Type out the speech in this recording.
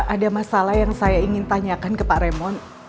ada masalah yang saya ingin tanyakan ke pak remon